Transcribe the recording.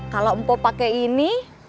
kalau empo pakai ini